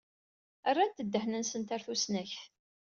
Rrant ddehn-nsent ɣer tusnakt.